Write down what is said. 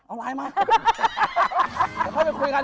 เดี๋ยวเขาก็ไปคุยกัน